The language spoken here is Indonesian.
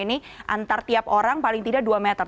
ini antar tiap orang paling tidak dua meter